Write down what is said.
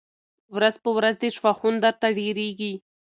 ورځ په ورځ دي شواخون درته ډېرېږی